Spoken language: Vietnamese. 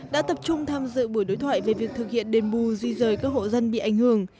đã tập trung tham dự buổi đối thoại về việc thực hiện đền bù di rời các hộ dân bị ảnh hưởng